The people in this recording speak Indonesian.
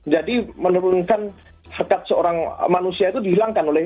jadi menurunkan sekat seorang manusia itu dihilangkan